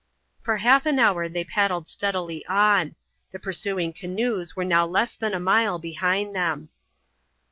For half an hour they paddled steadily on. The pursuing canoes were now less than a mile behind them.